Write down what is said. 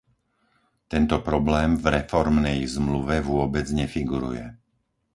Tento problém v reformnej zmluve vôbec nefiguruje.